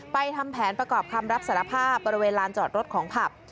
ทำแผนประกอบคำรับสารภาพบริเวณลานจอดรถของผับ